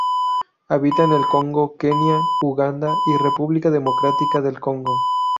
Habita en el Congo, Kenia, Uganda y República Democrática del Congo.